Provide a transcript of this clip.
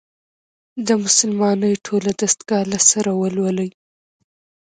د «مسلمانۍ ټوله دستګاه» له سره ولولي.